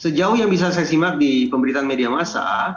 sejauh yang bisa saya simak di pemberitaan media masa